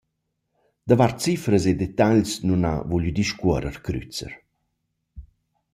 Davart cifras e detagls nun ha vuglü discuorrer Crüzer.